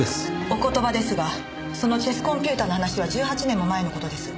お言葉ですがそのチェスコンピューターの話は１８年も前の事です。